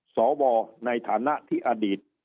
สวในฐานะที่อดีต